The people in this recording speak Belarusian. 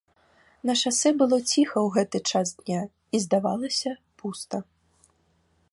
На шасэ было ціха ў гэты час дня і, здавалася, пуста.